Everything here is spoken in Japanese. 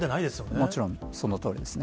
もちろん、そのとおりですね。